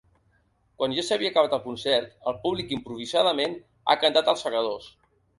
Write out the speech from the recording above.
Quan ja s’havia acabat el concert, el públic, improvisadament, ha cantat Els segadors.